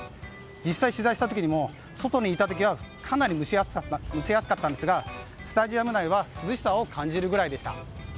実際、取材した時にも外にいた時はかなり蒸し暑かったんですがスタジアム内は涼しさを感じるくらいでした。